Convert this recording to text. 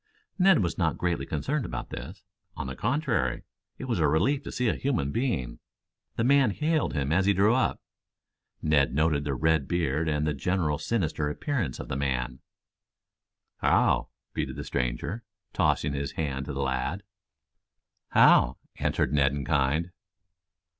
Ned was not greatly concerned about this. On the contrary, it was a relief to see a human being. The man hailed him as he drew up. Ned noted the red beard and the general sinister appearance of the man. "How," greeted the stranger, tossing his hand to the lad. "How," answered Ned in kind.